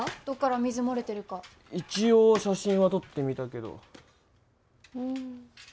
どっから水漏れてるか一応写真は撮ってみたけどふん